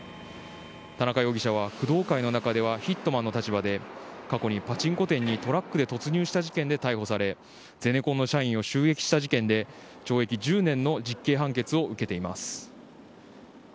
田中容疑者は工藤会の中ではヒットマンの立場で過去にパチンコ店にトラックで突入した事件で逮捕されゼネコンの社員を襲撃した事件で懲役１０年の実刑判決を受けています。